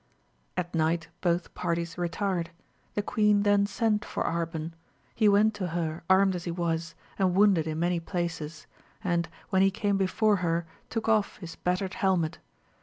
At night both parties retired : The queen then sei for Arban; he went to her armed as he was, ao wounded in many places, and, when he came befoi her, took ofl" his battered helmet.